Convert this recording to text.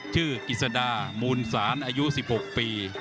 ชื่อกิจสดามูลศาลอายุ๑๖ปี